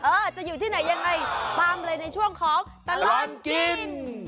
จะอยู่ที่ไหนยังไงตามเลยในช่วงของตลอดกิน